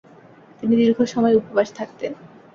তিনি দীর্ঘ সময় উপবাস থাকতেন।